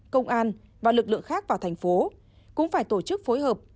công an và lực lượng khác vào thành phố cũng phải tổ chức phối hợp